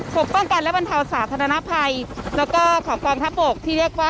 กรมป้องกันและบรรเทาสาธารณภัยแล้วก็ของกองทัพบกที่เรียกว่า